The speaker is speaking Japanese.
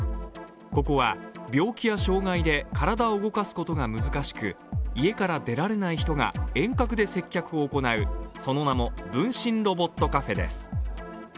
ここは病気や障害で体を動かすことが難しく家から出られない人が遠隔で接客を行うその名も分身ロボットカフェです。